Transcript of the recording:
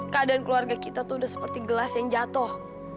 keadaan keluarga kita tuh udah seperti gelas yang jatuh